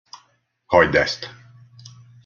Hagyd ezt!